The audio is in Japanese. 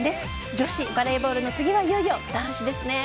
女子バレーボールの次はいよいよ男子ですね。